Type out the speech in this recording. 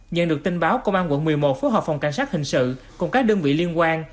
nhận được tin báo công an quận một mươi một phối hợp phòng cảnh sát hình sự cùng các đơn vị liên quan